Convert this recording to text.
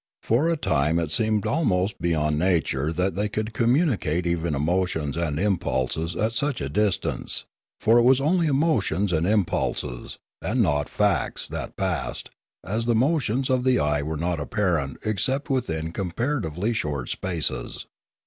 For a time it seemed almost beyond nature that they could com municate even emotions and impulses at such a dis tance; for it was only emotions and impulses, and not facts, that passed, as the motions of the eye were not apparent except within comparatively short spaces.